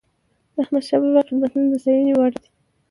د احمدشاه بابا خدمتونه د ستايني وړ دي.